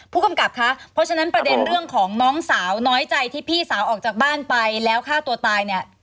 ผู้กำกับคะเพราะฉะนั้นประเด็นเรื่องของน้องสาวน้อยใจที่พี่สาวออกจากบ้านไปแล้วฆ่าตัวตายเนี่ย